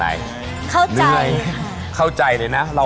ฝั่งนี้แหละครับคุณแเนอร์ครับ